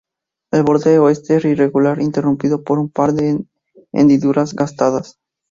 El borde oeste es irregular, interrumpido por un par de hendiduras gastadas.